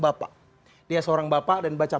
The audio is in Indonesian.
bapak dia seorang bapak dan baca